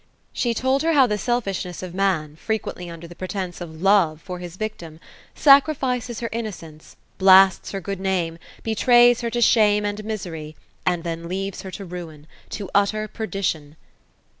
She told her how the selfishness of man, frequently under the pretence of love for his victim, sacrifices ber innocence, blasts her good name, betrays her to shame and misery, and then leaves her to ruin — to utter perdition.